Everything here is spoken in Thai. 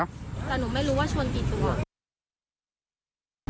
แต่หนูไม่รู้ว่าชนกี่ตัว